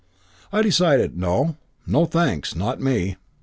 And I decided no; no, thanks; not me.